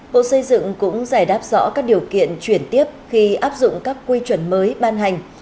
bộ xây dựng cũng giải đáp rõ các điều kiện chuyển tiếp khi áp dụng các quy chuẩn mới ban hành